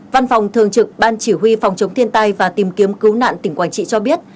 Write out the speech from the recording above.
văn phòng thường trực ban chỉ huy phòng chống thiên tai và tìm kiếm cứu nạn tỉnh quảng trị cho biết